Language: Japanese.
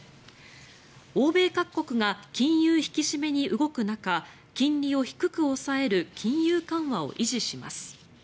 欧米各国が金融引き締めに動く中金利を低く抑える金融緩和を維持します。